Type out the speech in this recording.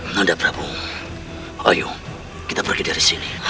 nanda prabowo ayo kita pergi dari sini